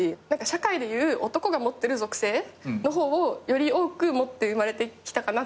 社会でいう男が持ってる属性の方をより多く持って生まれてきたかなって自分で思ってて。